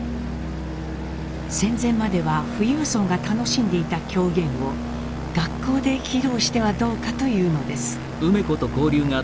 戦前までは富裕層が楽しんでいた狂言を学校で披露してはどうかというのです。